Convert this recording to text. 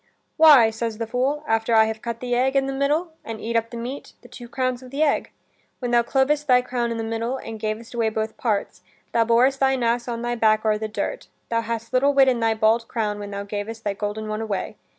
"Why," says the fool, "after I have cut the egg i' the middle, and eat up the meat, the two crowns of the egg. When thou clovest thy crown i' the middle, and gavest away both parts, thou borest thine ass on thy back o'er the dirt: thou hadst little wit in thy bald crown when thou gavest thy golden one away.